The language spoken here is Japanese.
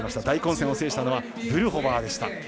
大混戦を制したのはブルホバーでした。